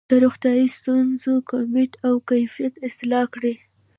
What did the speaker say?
د روغتیايي ستونزو کمیت او کیفیت اصلاح کړي.